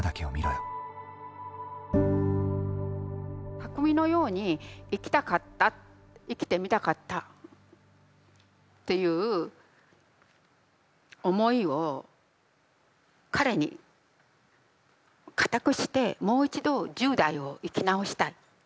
巧のように生きたかった生きてみたかったっていう思いを彼に仮託してもう一度１０代を生き直したい。